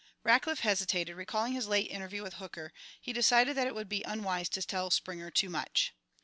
Rackliff hesitated; recalling his late interview with Hooker, he decided that it would be unwise to tell Springer too much.